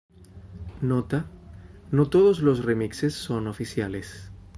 Nota: No todos los remixes son oficiales.